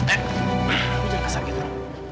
eh lu jangan kesakitan